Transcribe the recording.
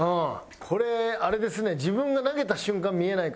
これあれですね。